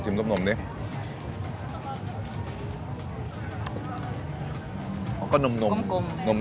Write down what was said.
คนที่มาทานอย่างเงี้ยควรจะมาทานแบบคนเดียวนะครับ